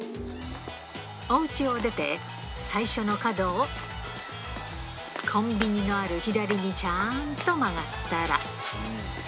おうちを出て、最初の角を、コンビニのある左にちゃんと曲がったら。